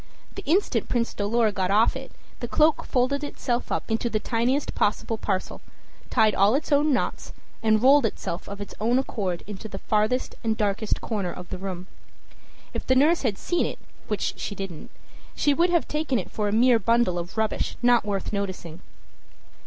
The instant Prince Dolor got off it, the cloak folded itself up into the tiniest possible parcel, tied all its own knots, and rolled itself of its own accord into the farthest and darkest corner of the room. If the nurse had seen it, which she didn't, she would have taken it for a mere bundle of rubbish not worth noticing.